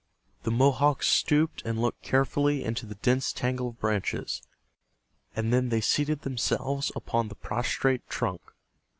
The Mohawks stooped and looked carefully into the dense tangle of branches, and then they seated themselves upon the prostrate trunk.